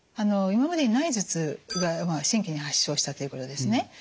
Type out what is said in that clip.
今までにない頭痛が新規に発症したということですね。